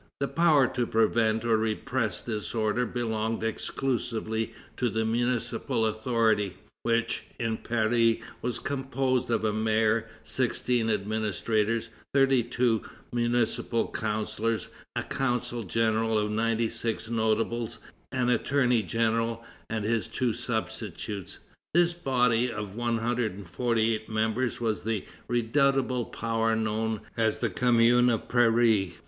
The power to prevent or repress disorder belonged exclusively to the municipal authority, which, in Paris, was composed of a mayor, sixteen administrators, thirty two municipal councillors, a council general of ninety six notables, an attorney general and his two substitutes. This body of 148 members was the redoubtable power known as the Commune of Paris.